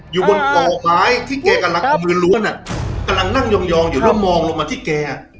อยู่บนปลอกไม้ที่แกกำลังมือล้วนอ่ะกำลังนั่งยองยองอยู่แล้วมองลงมาที่แกอ่ะ